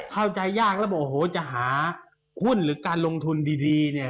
เข้าใจยากแล้วบอกโอ้โหจะหาหุ้นหรือการลงทุนดีเนี่ย